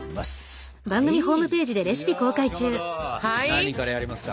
何からやりますか？